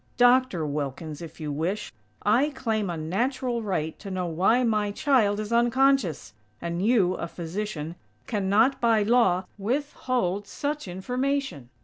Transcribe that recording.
Doctor Wilkins, if you wish, I claim a natural right to know why my child is unconscious! And you, a physician, cannot, by law, withhold such information!!"